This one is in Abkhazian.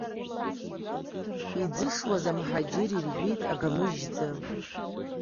Иӡышуаз амҳаџьыр иржәит агамыжьӡы.